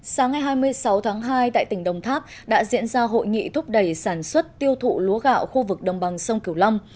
sáng ngày hai mươi sáu tháng hai tại tỉnh đồng tháp đã diễn ra hội nghị thúc đẩy sản xuất tiêu thụ lúa gạo khu vực đồng bằng sông cửu long